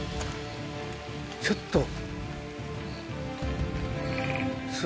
ちょっと。